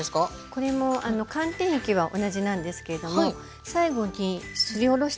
これも寒天液は同じなんですけれども最後にすりおろしたしょうがを加えて